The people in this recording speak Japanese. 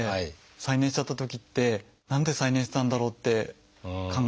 再燃しちゃったときって何で再燃したんだろうって考えるんですね。